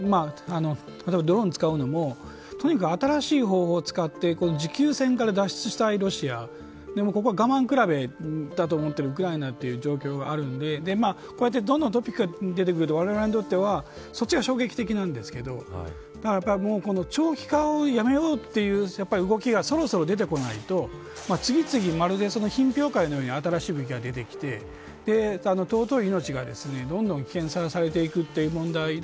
例えばドローンを使うのもとにかく、新しい方法を使って持久戦から脱出したいロシアここは我慢比べだと思っているウクライナという状況があるのでこうやって、どんどんトピックが出てくるとわれわれはそっちが衝撃的なんですけどこの長期化をやめようという動きが、そろそろ出てこないと次々まるで品評会のように新しい武器が出てきて尊い命がどんどん危険にさらされていくという問題